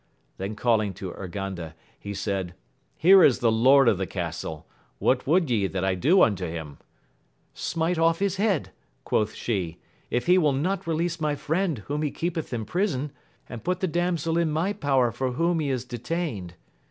Then calling to Urganda, he said. Here is the lord of the castle, what would ye that I do unto him ? Smite off his head, quoth she, if he will not release my friend whom he keepeth in prison, and put the damsel in my power for whom he is de tained.